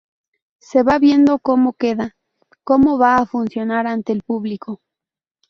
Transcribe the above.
Se va viendo cómo queda, cómo va a funcionar ante el público.